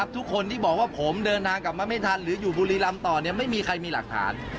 ทุกคนที่บอกว่าผมเดินทางกลับมาไม่ทันหรืออยู่บุรีรำต่อไม่มีใครมีหลักฐาน